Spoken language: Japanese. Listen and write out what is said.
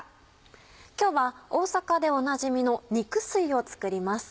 今日は大阪でおなじみの「肉吸い」を作ります。